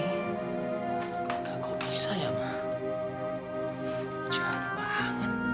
nggak kok bisa ya ma jangan banget